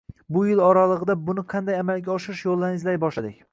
Bu yillar oraligʻida buni qanday amalga oshirish yoʻllarini izlay boshladik.